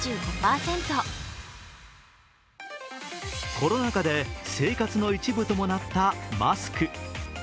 コロナ禍で生活の一部ともなったマスク。